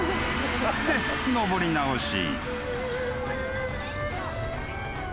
［で登り直し］